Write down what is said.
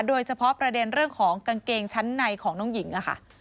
โดยเฉพาะประเด็นเรื่องของกางเกงชั้นในของน้องหญิงค่ะ